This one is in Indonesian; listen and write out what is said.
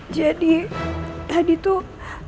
jadi tadi tuh